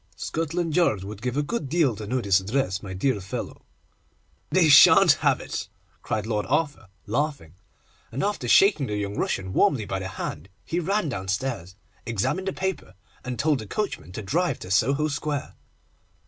'Scotland Yard would give a good deal to know this address, my dear fellow.' 'They shan't have it,' cried Lord Arthur, laughing; and after shaking the young Russian warmly by the hand he ran downstairs, examined the paper, and told the coachman to drive to Soho Square.